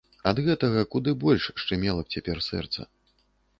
Ад гэтага куды больш шчымела б цяпер сэрца.